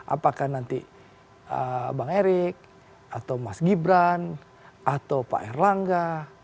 apakah nanti bang erik atau mas gibran atau pak erlangga